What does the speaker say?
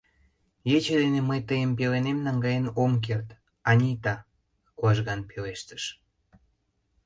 — Ече дене мый тыйым пеленем наҥгаен ом керт, Анита, — лыжган пелештыш.